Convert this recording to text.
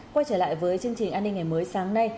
quay trở lại với chương trình an ninh ngày mới sáng nay